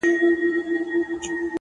صبر د بریا د پخېدو فصل دی.!